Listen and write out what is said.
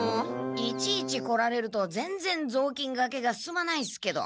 いちいち来られるとぜんぜんぞうきんがけが進まないんすけど。